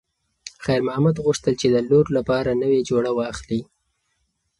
خیر محمد غوښتل چې د لور لپاره نوې جوړه واخلي.